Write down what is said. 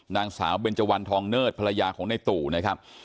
นางสาวเบนเจวันทองเนิดภรรยาของในตู่นะครับ